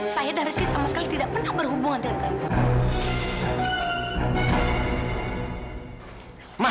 saya dan rizky sama sekali tidak pernah berhubungan dengan